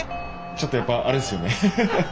ちょっとやっぱあれっすよね。